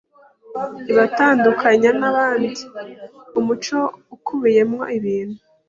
ibatandukanya n’abandi. Umuco ukubiyemo ibintu